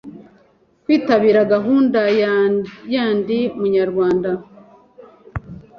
Kwitabira gahunda ya Ndi umunyarwanda